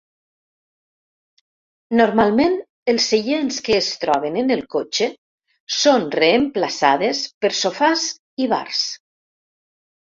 Normalment els seients que es troben en el cotxe són reemplaçades per sofàs i bars.